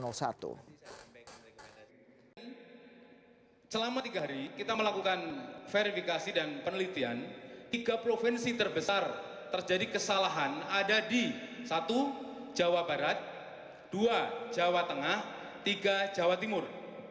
selama tiga hari kita melakukan verifikasi dan penelitian tiga provinsi terbesar terjadi kesalahan ada di satu jawa barat dua jawa tengah tiga jawa timur